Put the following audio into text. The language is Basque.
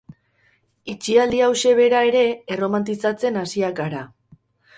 Itxialdi hauxe bera ere erromantizatzen hasiak gara.